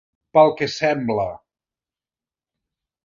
Pel que sembla.